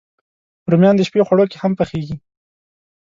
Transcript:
رومیان د شپی خواړو کې هم پخېږي